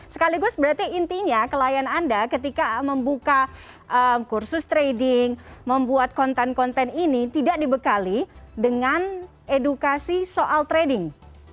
sekaligus berarti intinya klien anda ketika membuka kursus trading membuat konten konten ini tidak dibekali dengan edukasi soal trading